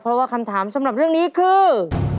เพราะว่าคำถามสำหรับเรื่องนี้คือ